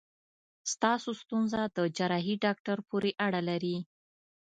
ستاسو ستونزه د جراحي داکټر پورې اړه لري.